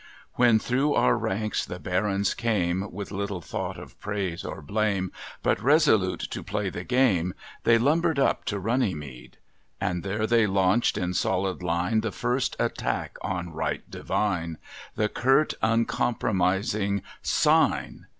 "When through our ranks the Barons came, With little thought of praise or blame, But resolute to play the game, They lumbered up to Runnymede; And there they launched in solid line, The first attack on Right Divine â The curt, uncompromising 'Sign!'